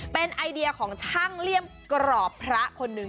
เป็นไอเดียของช่างเลี่ยมกรอบพระคนหนึ่ง